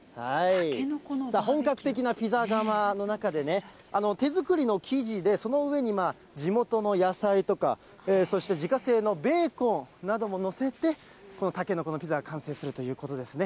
本格的なピザ釜の中でね、手作りの生地で、その上に地元の野菜とか、そして自家製のベーコンなども載せて、このタケノコのピザが完成するということですね。